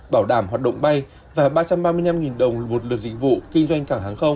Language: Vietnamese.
bảo đảm hoạt động bay và ba trăm ba mươi năm đồng một lượt dịch vụ kinh doanh cảng hàng không